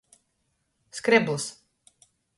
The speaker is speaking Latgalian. Skrebls.